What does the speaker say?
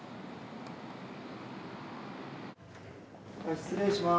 失礼します。